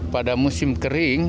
pada musim kering